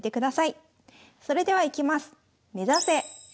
それではいきます。